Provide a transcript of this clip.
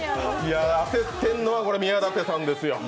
焦ってんのは宮舘さんですよ。